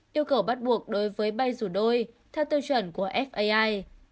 yêu cầu bắt buộc đối với bay rủi đôi theo tiêu chuẩn của fai